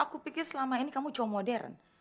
aku pikir selama ini kamu jauh modern